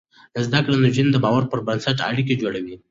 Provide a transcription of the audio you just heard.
زده کړې نجونې د باور پر بنسټ اړيکې جوړوي.